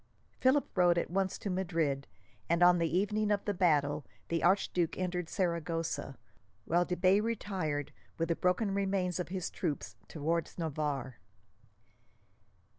Philip rode at once to Madrid, and on the evening of the battle the archduke entered Saragossa; while de Bay retired, with the broken remains of his troops, towards Navarre.